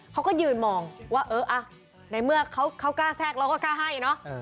เขาก็ยืนมองว่าเออในเมื่อเขากล้าแทรกเราก็กล้าให้เนอะ